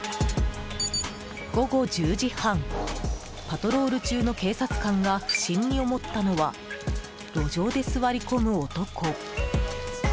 午後１０時半、パトロール中の警察官が不審に思ったのは路上で座り込む男。